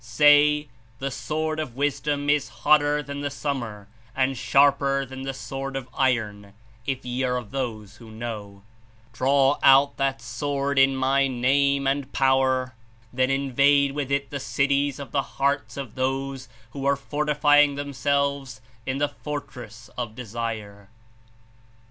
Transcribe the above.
Say, the Sword of Wisdom Is hotter than the summer and sharper than the sword of iron, if ye are of those who know; — draw out that sword In My Name and Power; then Invade wath it the cities of the hearts of those who are fortifying themselves In the fortress of Desire."